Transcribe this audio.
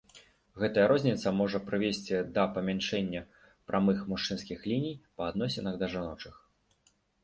Гэтая розніца можа прывесці да памяншэння прамых мужчынскіх ліній па адносінах да жаночых.